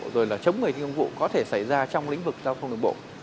rồi là chống người thi công vụ